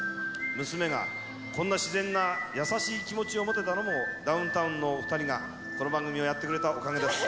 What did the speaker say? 娘がこんな自然な優しい気持ちを持てたのも、ダウンタウンのお２人がこの番組をやってくれたおかげです。